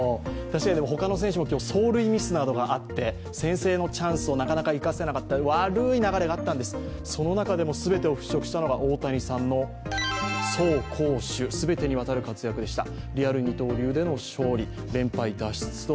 他の選手も走塁ミスなどがあって先制のチャンスをなかなか生かせなかった悪い流れがあったんです、その中でも全てを払拭したのが大谷さんの走攻守全てにわたる活躍でした。